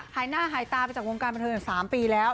หายหน้าหายตาไปจากในวงการบันทึกจังหลังสามปีแล้ว